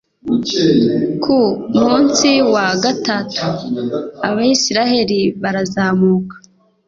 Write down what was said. ku munsi wa gatatu, abayisraheli barazamuka